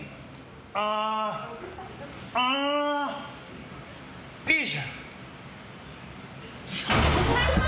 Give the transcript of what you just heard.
あー、あーいいじゃん。